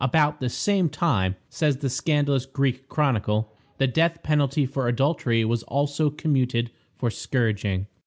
"About the same time," says the scandalous Greek chronicle, "the death penalty for adultery was also commuted for scourging."